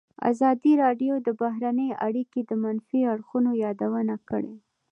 ازادي راډیو د بهرنۍ اړیکې د منفي اړخونو یادونه کړې.